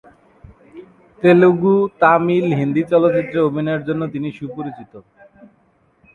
তেলুগু, তামিল, হিন্দী চলচ্চিত্রে অভিনয়ের জন্য তিনি সুপরিচিত।